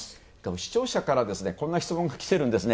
視聴者からこんな質問がきているんですね。